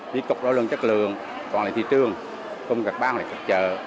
lý cục đổi lượng chất lượng còn lại thị trường công việc bán hoặc là khách chờ